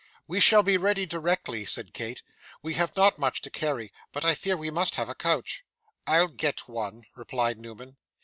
'We shall be ready directly,' said Kate. 'We have not much to carry, but I fear we must have a coach.' 'I'll get one,' replied Newman.